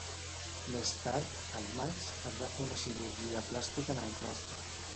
Més tard, al maig, es va fer una cirurgia plàstica en el rostre.